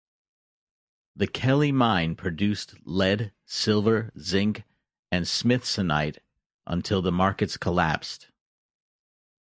The Kelly Mine produced lead, silver, zinc and smithsonite until the markets collapsed.